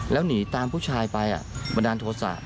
แล้วหนีตามผู้ชายไปบันดาลโทษะ